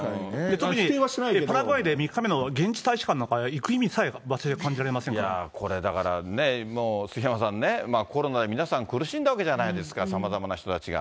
特にパラグアイで現地大使館なんて行く意味さえ感じられませこれ、だからね、杉山さんね、コロナで皆さん、苦しんだわけじゃないですか、さまざまな人たちが。